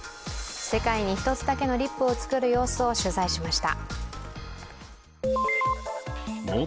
世界に１つだけのリップを作る様子を取材しました。